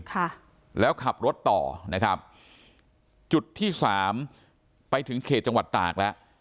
ค่ะแล้วขับรถต่อนะครับจุดที่สามไปถึงเขตจังหวัดตากแล้ว